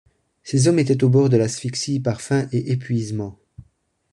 Ses hommes étaient au bord de l'asphyxie par faim et épuisement.